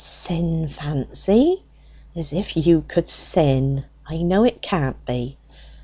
"Sin, Fancy! as if you could sin! I know it can't be."